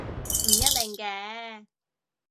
唔一定嘅